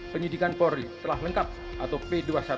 penyidikan polri telah lengkap atau p dua puluh satu